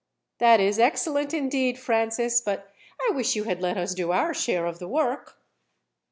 "That is excellent indeed, Francis; but I wish you had let us do our share of the work."